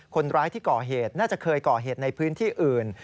คนร้ายที่ก่อเหตุน่าจะเคยก่อเหตุในพื้นที่อื่น